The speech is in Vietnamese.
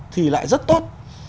thì lại rất tốt